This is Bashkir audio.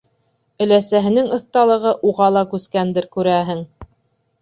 Өләсәһенең оҫталығы уға ла күскәндер, күрәһең.